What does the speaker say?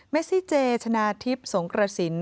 เมซิเจชนะทิพย์สงกระศิลป์